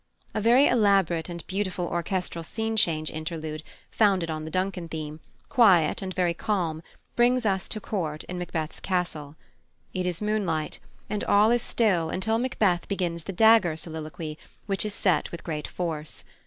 A very elaborate and beautiful orchestral scene change interlude, founded on the Duncan theme, quiet and very calm, brings us to a court in Macbeth's castle. It is moonlight, and all is still until Macbeth begins the dagger soliloquy, which is set with great force.